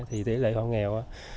thì tỷ lệ họ nghèo